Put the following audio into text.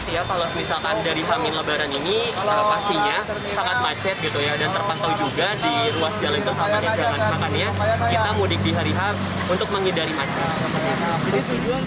juga di ruas jalan jalan makanya kita mudik di hari hari untuk mengidari macet